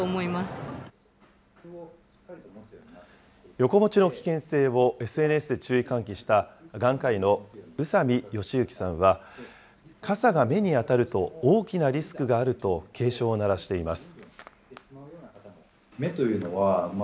よこ持ちの危険性をＳＮＳで注意喚起した、眼科医の宇佐美欽通さんは、傘が目に当たると大きなリスクがあると警鐘を鳴らしています。